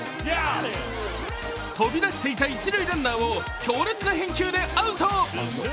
飛び出していた一塁ランナーを強烈返球でアウト。